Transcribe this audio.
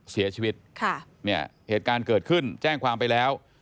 เสียชีวิตค่ะเนี่ยเหตุการณ์เกิดขึ้นแจ้งความไปแล้ว